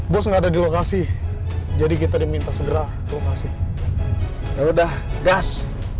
bos enggak ada di lokasi jadi kita diminta segera ke lokasi ya udah gas